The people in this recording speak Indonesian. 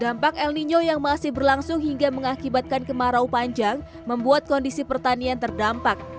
dampak el nino yang masih berlangsung hingga mengakibatkan kemarau panjang membuat kondisi pertanian terdampak